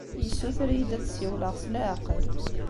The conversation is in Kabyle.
Yessuter-iyi-d ad ssiwleɣ s leɛqel.